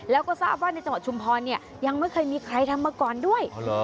แล้วก็ทราบว่าในจังหวัดชุมพรเนี่ยยังไม่เคยมีใครทำมาก่อนด้วย